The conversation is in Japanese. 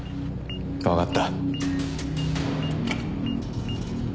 わかった。